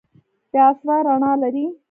دا آسمان رڼا لري.